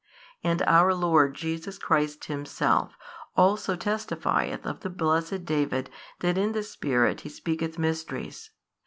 And our Lord Jesus Christ Himself also testifieth of the blessed David that in the Spirit he speaketh mysteries.